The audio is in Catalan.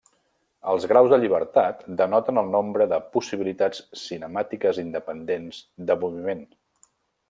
Els graus de llibertat denoten el nombre de possibilitats cinemàtiques independents de moviment.